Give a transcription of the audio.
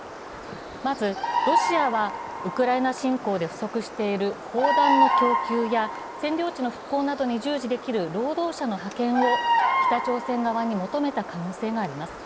まず、ロシアはウクライナ侵攻で不足している砲弾の供給や、占領地の復興などに従事できる労働者の派遣を北朝鮮側に求めた可能性があります。